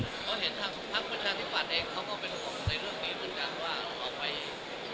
เขาเห็นถ้าภาคประชาภิกษาเองเขาก็เป็นคนในเรื่องนี้เหมือนกันว่าเราออกไปเอง